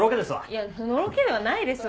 いやのろけではないですわ。